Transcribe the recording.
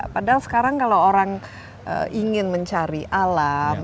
padahal sekarang kalau orang ingin mencari alam